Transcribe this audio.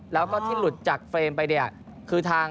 แล้วก็ที่หลุดจากโดนเปลี่ยนไปเนี่ยคือทาง